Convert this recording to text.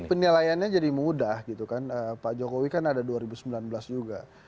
penilaiannya jadi mudah gitu kan pak jokowi kan ada dua ribu sembilan belas juga